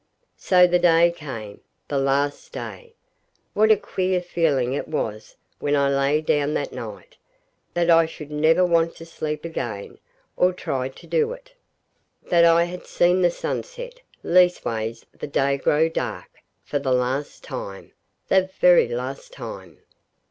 So the day came. The last day! What a queer feeling it was when I lay down that night, that I should never want to sleep again, or try to do it. That I had seen the sun set leastways the day grow dark for the last time; the very last time.